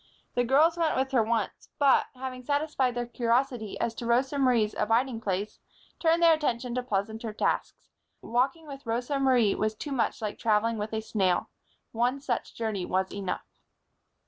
The girls went with her once, but, having satisfied their curiosity as to Rosa Marie's abiding place, turned their attention to pleasanter tasks. Walking with Rosa Marie was too much like traveling with a snail. One such journey was enough.